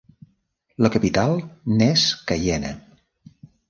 La capital n'és Caiena.